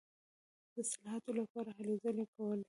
د اصلاحاتو لپاره هلې ځلې کولې.